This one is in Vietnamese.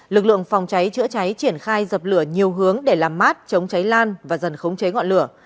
lực lượng phòng cháy chữa cháy triển khai dập lửa nhiều hướng để làm mát chống cháy lan và dần khống chế ngọn lửa